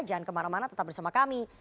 jangan kemana mana tetap bersama kami